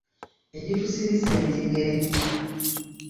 Egitusibisa enjegere.